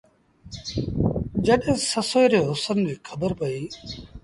جڏهيݩ سسئيٚ ري هُسن ريٚ کبرپئيٚ۔